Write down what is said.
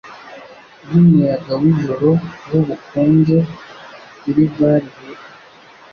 Yumuyaga wijoro wubukonje kuri vale hepfo